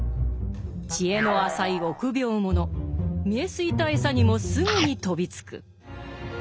知恵の浅い臆病者見え透いた餌にもすぐに飛びつく。